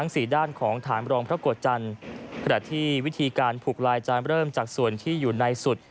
สถานรองพระกฏจันทร์ประดาษที่วิธีการผลุกลายจันทร์เริ่มจากส่วนที่อยู่ในสุด